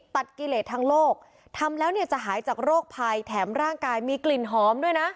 กิเลสทางโลกทำแล้วเนี่ยจะหายจากโรคภัยแถมร่างกายมีกลิ่นหอมด้วยนะ